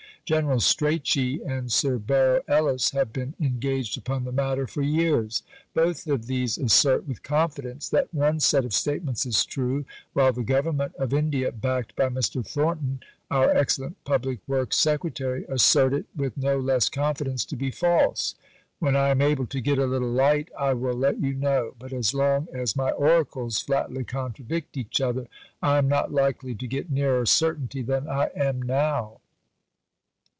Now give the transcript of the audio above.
General Strachey and Sir Barrow Ellis have been engaged upon the matter for years. Both of these assert with confidence that one set of statements is true, while the Government of India, backed by Mr. Thornton, our excellent Public Works Secretary, assert it with no less confidence to be false.... When I am able to get a little light I will let you know; but as long as my oracles flatly contradict each other, I am not likely to get nearer certainty than I am now."